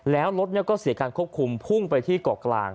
แล้วรถก็เสียการควบคุมพุ่งไปที่เกาะกลาง